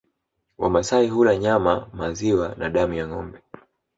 Wamasai hula nyama maziwa na damu ya ngombe